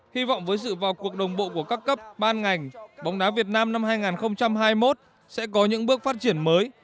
hy vọng với sự vào cuộc đồng bộ của các cấp ban ngành bóng đá việt nam năm hai nghìn hai mươi một sẽ có những bước phát triển mới